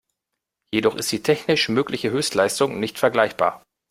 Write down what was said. Jedoch ist die technisch mögliche Höchstleistung nicht vergleichbar.